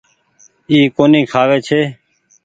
اي ڪونيٚ کآوي ڇي۔